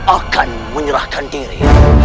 akan menyerahkan diri